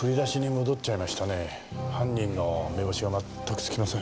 犯人の目星が全く付きません。